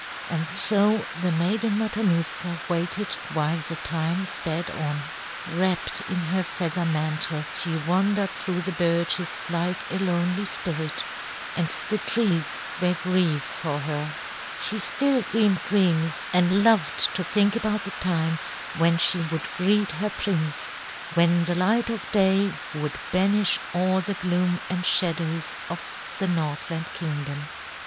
And so the Maiden Matanuska waited while the time sped on. Wrapped in her feather mantle, she wandered through the birches like a lonely spirit, and the trees were grieved for her. She still dreamed dreams and loved to think about the time when she would greet her prince; when the light of day would banish all the gloom and shadows of the Northland Kingdom.